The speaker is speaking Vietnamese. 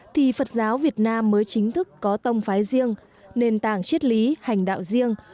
thì phật giáo việt nam mới chính thức có tông phái riêng nền tảng chiết lý hành đạo riêng